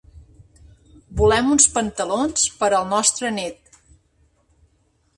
Volem uns pantalons per al nostre net.